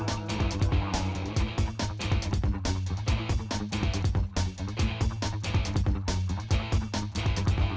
aduh aduh aduh aduh